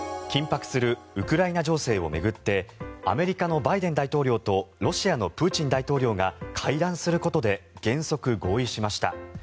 緊迫するウクライナ情勢を巡ってアメリカのバイデン大統領とロシアのプーチン大統領が会談することで原則合意しました。